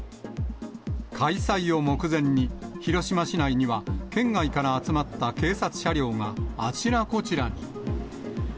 開催を目前に、広島市内には県外から集まった警察車両があちらこちらに。